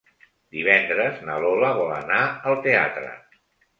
Divendres na Lola vol anar al teatre.